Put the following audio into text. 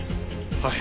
はい。